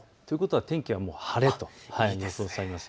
天気は晴れと予想されます。